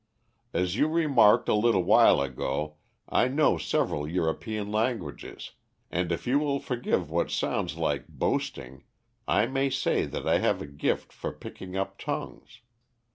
As you remarked a while ago, I know several European languages, and if you will forgive what sounds like boasting, I may say that I have a gift for picking up tongues.